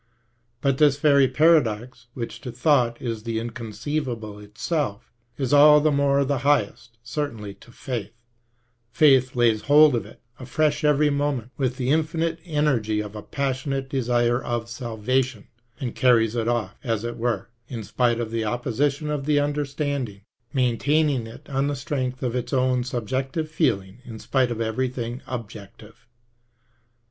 But this very paradox which to thought is the inconceivable itself, is all the more the highest cer tainty to faith ; faith lays hold of it afresh every moment with the infinite energy of a passionate desire of salvation, and carries it off, as it were, in spite of the opposition of the understanding, maintain ing it on the strength of its own subjective feeling in spite of everjrthing objective.